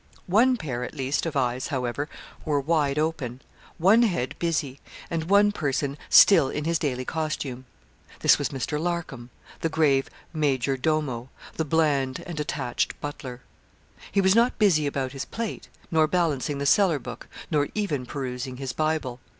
One pair, at least, of eyes, however, were wide open; one head busy; and one person still in his daily costume. This was Mr. Larcom the grave major domo, the bland and attached butler. He was not busy about his plate, nor balancing the cellar book, nor even perusing his Bible.